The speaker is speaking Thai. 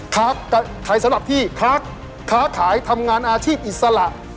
ค้าขายสำหรับที่ค้าขายทำงานอาชีพอิสระ